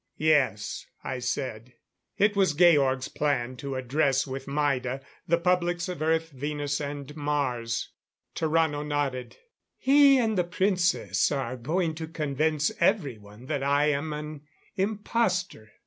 "Yes," I said. It was Georg's plan to address with Maida, the publics of Earth, Venus and Mars. Tarrano nodded. "He and the Princess are going to convince everyone that I am an impostor."